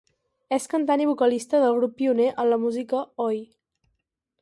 És cantant i vocalista del grup pioner en la música Oi!